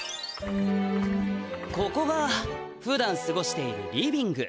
ここがふだんすごしているリビング。